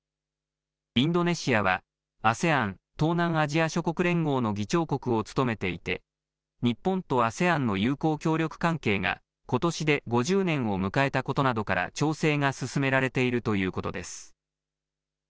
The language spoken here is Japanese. インドネシアはＡＳＥＡＮ・東南アジア諸国連合の議長国を務めていて日本とＡＳＥＡＮの友好協力関係がことしで５０年を迎えたことなどから調整が進められているということです。